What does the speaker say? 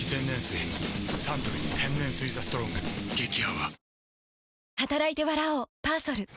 サントリー天然水「ＴＨＥＳＴＲＯＮＧ」激泡